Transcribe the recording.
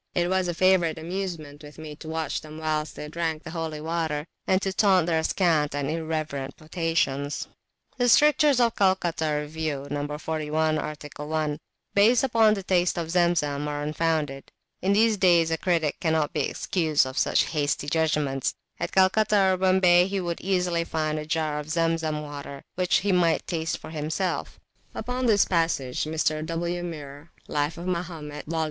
It was a favourite amusement with me to watch them whilst they drank the holy water, and to taunt their scant and irreverent potations. The strictures of the Calcutta Review (No. 41, art. 1), based upon the taste of Zemzem, are unfounded. In these days a critic cannot be excused for such hasty judgments; at Calcutta or Bombay he would easily find a jar of Zemzem water, which he might taste for himself. Upon this passage Mr. W. Muir (Life of Mahomet, vol.